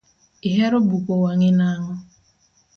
Ihero buko wangi nango?